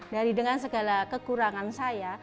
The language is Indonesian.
dari dengan segala kekurangan saya